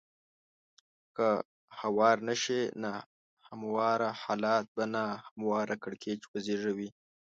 که هوار نه شي نا همواره حالات به نا همواره کړکېچ وزېږوي.